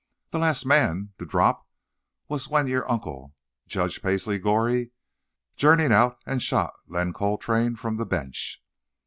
The last man to drap was when yo' uncle, Jedge Paisley Goree, 'journed co't and shot Len Coltrane f'om the bench.